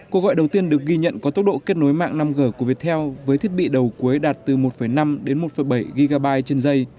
cuộc gọi đầu tiên được ghi nhận có tốc độ kết nối mạng năm g của viettel với thiết bị đầu cuối đạt từ một năm đến một bảy gb trên dây